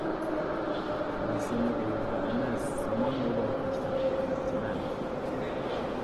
مەن سېنى ئۇۋىغا ئەمەس، سامان يولىغا تاشلاپ كەتمەكچىمەن.